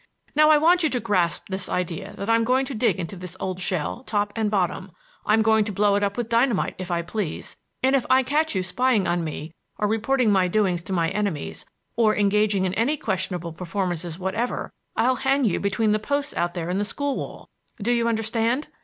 "Now, I want you to grasp this idea that I'm going to dig into this old shell top and bottom; I'm going to blow it up with dynamite, if I please; and if I catch you spying on me or reporting my doings to my enemies, or engaging in any questionable performances whatever, I'll hang you between the posts out there in the school wall—do you understand?